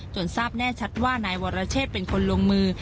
ทราบแน่ชัดว่านายวรเชษเป็นคนลงมือ